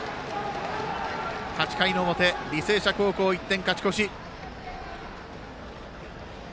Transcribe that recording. ８回の表、履正社高校１点勝ち越し。